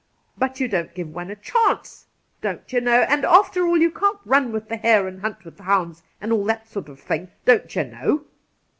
But you don't give one a chance, don't you know ; and, after all, you can't run with the hare and hunt with the hounds, and aU that sort of thing, don't you know